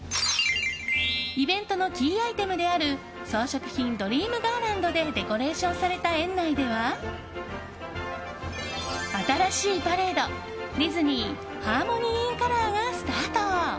イベントのキーアイテムである装飾品、ドリームガーランドでデコレーションされた園内では新しいパレード「ディズニー・ハーモニー・イン・カラー」がスタート！